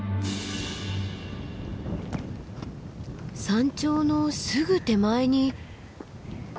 山頂のすぐ手前に。